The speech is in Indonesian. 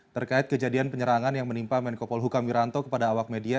terkait kejadian penyerangan yang menimpa menko polhukam wiranto kepada awak media